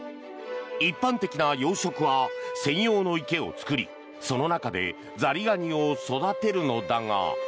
一般的な養殖は専用の池を造りその中でザリガニを育てるのだが。